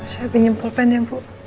saya pinjempol pen ya bu